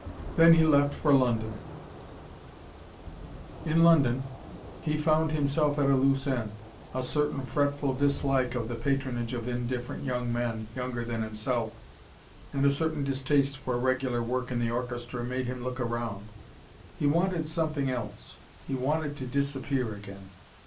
Then he left for London. In London he found himself at a loose end. A certain fretful dislike of the patronage of indifferent young men, younger than himself, and a certain distaste for regular work in the orchestra made him look round. He wanted something else. He wanted to disappear again.